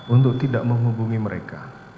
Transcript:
untuk tidak menghubungi mereka